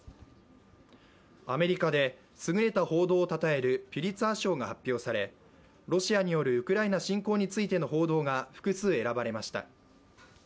アメリカで優れた報道をたたえるピュリツァー賞が発表され、ロシアによるウクライナ侵攻についての報道が複数選ばれました。